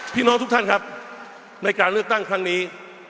พี่น้องทุกท่านครับในการเลือกตั้งครั้งนี้